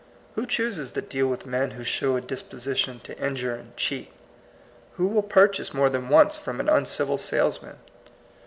Who chooses to deal with men who show a disposition to injure and cheat? Who will purchase more than once from an un civil salesman?